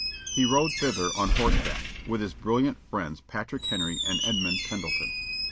He rode thither on horseback, with his brilliant friends Patrick Henry and Edmund Pendleton.